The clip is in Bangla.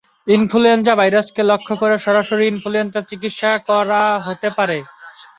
ইনফ্লুয়েঞ্জা ভাইরাসকে লক্ষ্য করে সরাসরি ইনফ্লুয়েঞ্জার চিকিৎসা করা হতে পারে।